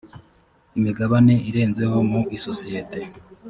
imigabane irenzeho mu isosiyete